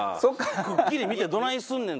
くっきり見てどないすんねん。